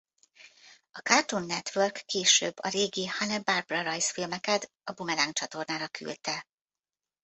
A Cartoon Network később a régi Hanna-Barbera-rajzfilmeket a Boomerang csatornára küldte.